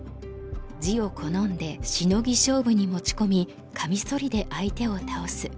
地を好んでシノギ勝負に持ち込みカミソリで相手を倒す。